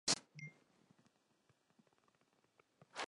Es originaria de la Provincia de Guantánamo en Cuba.